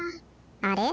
あれ？